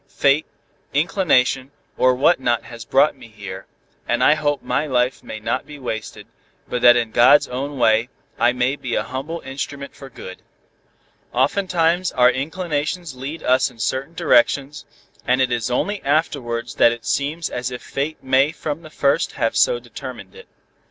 Fate, inclination, or what not has brought me here, and I hope my life may not be wasted, but that in God's own way, I may be a humble instrument for good. Oftentimes our inclinations lead us in certain directions, and it is only afterwards that it seems as if fate may from the first have so determined it."